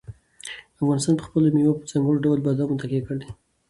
افغانستان په خپلو مېوو او په ځانګړي ډول بادامو تکیه لري.